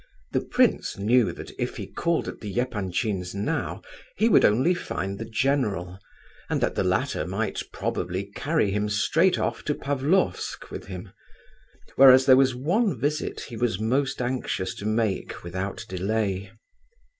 The prince knew that if he called at the Epanchins' now he would only find the general, and that the latter might probably carry him straight off to Pavlofsk with him; whereas there was one visit he was most anxious to make without delay.